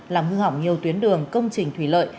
làm hư hỏng nhiều tuyến đường công trình thủy lợi